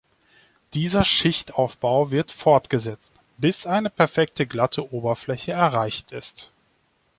Dieser Schichtaufbau wird fortgesetzt, bis eine perfekt glatte Oberfläche erreicht ist.